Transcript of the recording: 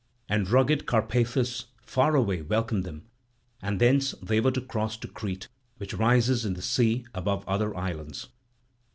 And rugged Carpathus far away welcomed them; and thence they were to cross to Crete, which rises in the sea above other islands.